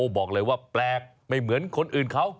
บอกเลยว่าแปลกไม่เหมือนคนอื่นเขา